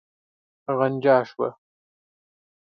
غنجا شوه.